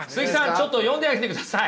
ちょっと読んであげてください。